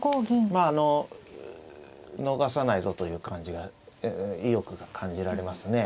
まああの逃さないぞという感じが意欲が感じられますね。